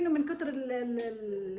dan ini yang terjadi dengan kami